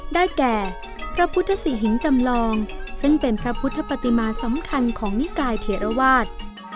ได้แก่พระพุทธศรีหินจำลองซึ่งเป็นพระพุทธปฏิมาสำคัญของนิกายเถระวาส